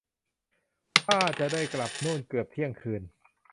ท่าจะได้กลับโน่นเกือบเที่ยงคืน